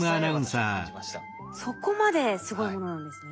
そこまですごいものなんですね。